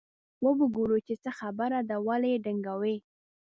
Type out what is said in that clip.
وبه ګورو چې څه خبره ده ولې یې ډنګوي.